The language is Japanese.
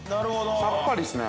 さっぱりですね。